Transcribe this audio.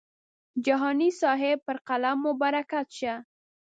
جهاني صاحب پر قلم مو برکت شه.